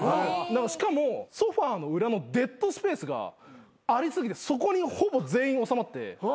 しかもソファの裏のデッドスペースがあり過ぎてそこにほぼ全員収まってめちゃめちゃ広々と。